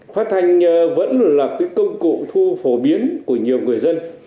phát thanh vẫn là công cụ thu phổ biến của nhiều người dân